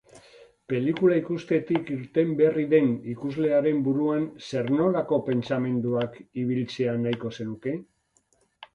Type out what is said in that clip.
Pelikula ikustetik irten berri den ikuslearen buruan zer-nolako pentsamenduak ibiltzea nahiko zenuke?